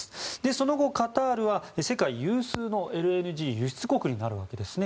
その後、カタールは世界有数のＬＮＧ輸出国になるわけです。